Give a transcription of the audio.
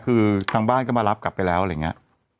คือทางบ้านก็มารับกลับไปแล้วอะไรอย่างนี้